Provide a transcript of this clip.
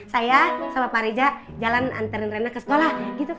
saya sama pak reza jalan anterin reina ke sekolah